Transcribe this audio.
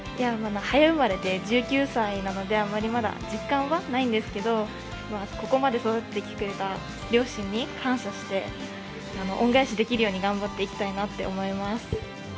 早生まれで１９歳なので、あまりまだ実感はないんですけどここまで育ててきてくれた両親に感謝して、恩返しできるように頑張っていきたいと思います。